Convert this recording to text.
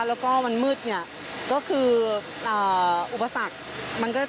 แล้วก็มันมืดเนี่ยก็คืออุปสรรคมันก็